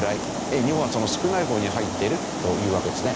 日本はその少ない方に入っているというわけですね。